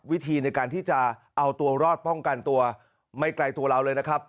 วิธีในการที่จะเอาตัวรอดป้องกันตัวไม่ไกลตัวเราเลยนะครับ